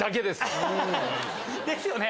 ですよね。